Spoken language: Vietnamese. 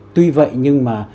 tuy vậy nhưng mà